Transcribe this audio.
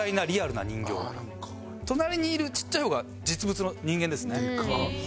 隣にいるちっちゃい方が実物の人間ですね。